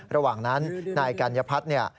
ระหว่างนั้นนายกัญญพัฒน์เนี่ย